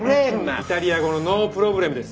イタリア語の「ノープロブレム」です。